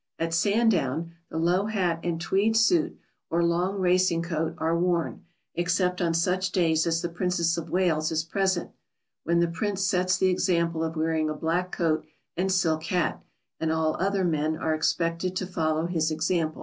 At Sandown the low hat and tweed suit, or long racing coat, are worn, except on such days as the Princess of Wales is present, when the Prince sets the example of wearing a black coat and silk hat, and all other men are expected to follow his example.